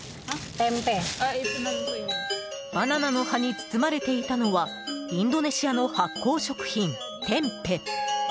バナナの葉に包まれていたのはインドネシアの発酵食品、テンペ。